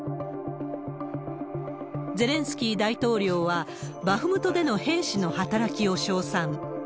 ゼレンスキー大統領は、バフムトでの兵士の働きを称賛。